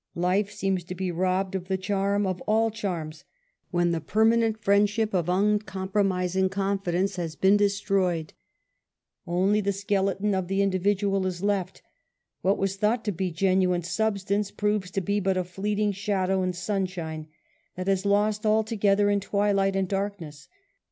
Life seems to be robbed of the charm of all charms when the permanent friendship of uncompromising confi dence has been destroj'ed. Only the skeleton of the 24 UNMASKED. individual is left. What was thought to be genuine substance proves to be but a fleeting shadow in sunshine, tiiat is lost all together in twilight and darkness.